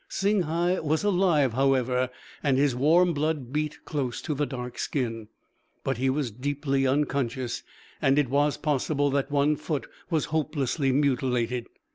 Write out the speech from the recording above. Singhai was alive, however, and his warm blood beat close to the dark skin. But he was deeply unconscious, and it was possible that one foot was hopelessly mutilated.